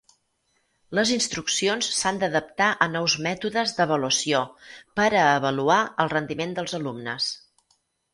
Les instruccions s'han d'adaptar a nous mètodes d'avaluació per a avaluar el rendiment dels alumnes.